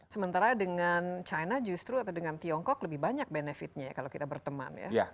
sementara dengan china justru atau dengan tiongkok lebih banyak benefitnya ya kalau kita berteman ya